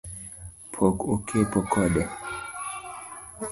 Pok okepo kode